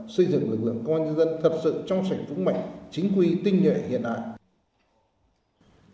xây dựng lực lượng công an nhân dân thật sự trong sảnh vũng mạnh chính quy tinh nhuệ hiện ạ